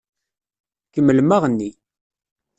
Kemmlem aɣenni!